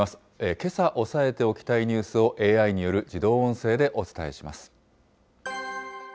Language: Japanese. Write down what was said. けさ押さえておきたいニュースをＡＩによる自動音声でお伝えしま